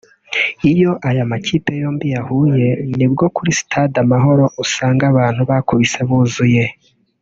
Iyo aya makipe yombi yahuye ni bwo kuri Stade amahoro usanga abantu bakubise buzuye